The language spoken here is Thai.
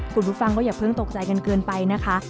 คุณผู้ฟังก็อย่าเพิ่งตกใจกันเกินไปนะคะ